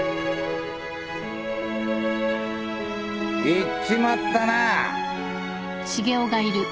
行っちまったな。